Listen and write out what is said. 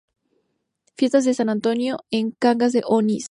Fiestas de San Antonio en Cangas de Onís